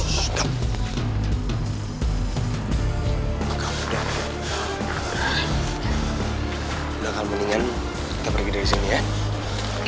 belakang mendingan kita pergi dari sini ya